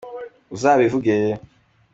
uzabivuge